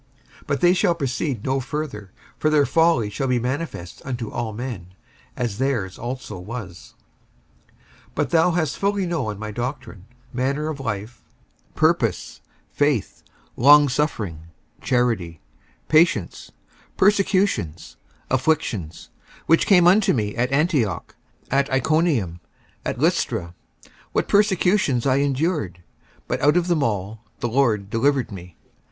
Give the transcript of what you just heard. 55:003:009 But they shall proceed no further: for their folly shall be manifest unto all men, as their's also was. 55:003:010 But thou hast fully known my doctrine, manner of life, purpose, faith, longsuffering, charity, patience, 55:003:011 Persecutions, afflictions, which came unto me at Antioch, at Iconium, at Lystra; what persecutions I endured: but out of them all the Lord delivered me.